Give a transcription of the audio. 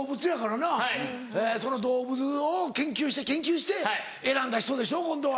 その動物を研究して研究して選んだ人でしょ今度は。